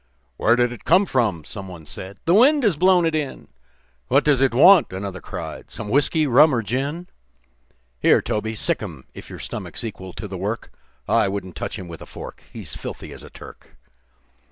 "Where did it come from?" someone said. " The wind has blown it in." "What does it want?" another cried. "Some whiskey, rum or gin?" "Here, Toby, sic 'em, if your stomach's equal to the work I wouldn't touch him with a fork, he's filthy as a Turk."